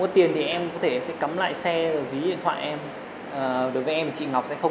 mày tin bố mày cắt tay mày ra không